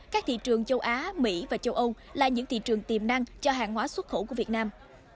các thị trường châu á mỹ và châu âu là những thị trường tiềm năng cho hàng hóa xuất khẩu của việt nam